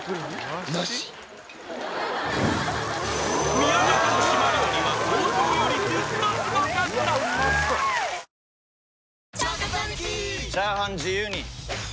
宮舘の島料理は想像よりずっとすごかった・チャー活アニキ！